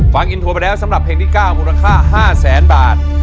ฟังอินโทรไปแล้วสำหรับเพลงที่๙มูลค่า๕แสนบาท